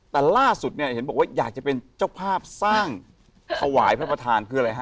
แต่ล่าสุดเนี่ยเห็นบอกว่าอยากจะเป็นเจ้าภาพสร้างถวายพระประธานคืออะไรฮะ